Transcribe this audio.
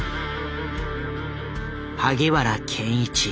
萩原健一